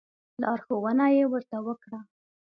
لارښوونه یې ورته وکړه.